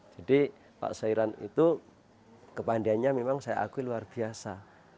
jadi pak soiran itu kepandainya memang saya akui luar biasa